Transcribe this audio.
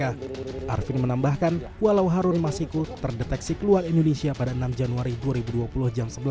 arvin menambahkan walau harun masiku terdeteksi keluar indonesia pada enam januari dua ribu dua puluh jam sebelas